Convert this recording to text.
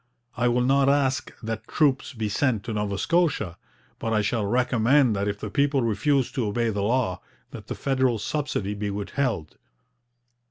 I will not ask that troops be sent to Nova Scotia, but I shall recommend that if the people refuse to obey the law, that the federal subsidy be withheld.'